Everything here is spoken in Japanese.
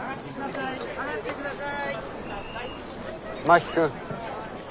真木君。